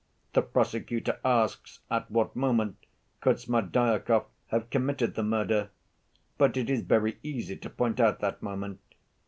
"The prosecutor asks at what moment could Smerdyakov have committed the murder. But it is very easy to point out that moment.